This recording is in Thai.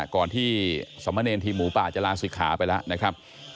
ก่อนที่สมเนรทีหมูป่าจะลาสุขาไปแล้ว